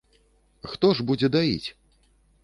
Хто ж будзе даіць?